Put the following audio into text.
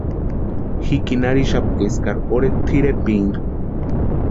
Jikini arhixapka eskari orheta tʼirepirinka.